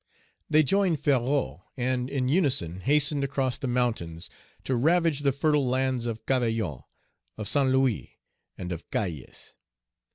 They joined Ferrou, and in unison hastened across the mountains to ravage the fertile lands of Cavaillon, of Saint Louis, and of Cayes.